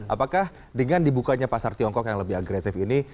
apakah dengan dibukanya pasar tiongkok yang lebih agresif ini